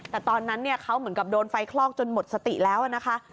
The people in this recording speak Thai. แต่ตอนนั้นเขาเหมือนกับโดนไฟคลอกจนหมดสติแล้วนะคะ